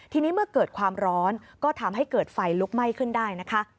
ทีนี้เมื่อเกิดความร้อนก็ทำให้เกิดไฟลุกไหม้ขึ้นได้นะคะ